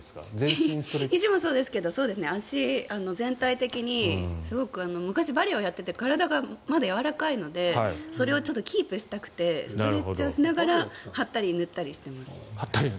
ひじもそうですが足、全体的に昔バレエをやっていて体がまだやわらかいのでそれをキープしたくてストレッチをしながら貼ったり塗ったりしてます。